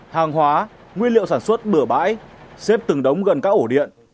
hàng hóa nguyên liệu sản xuất bửa bãi xếp từng đống gần các ổ điện